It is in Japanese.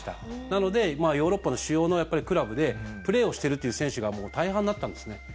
なのでヨーロッパの主要のクラブでプレーをしている選手が大半になったんですね。